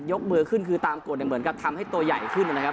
กมือขึ้นคือตามกฎเนี่ยเหมือนกับทำให้ตัวใหญ่ขึ้นนะครับ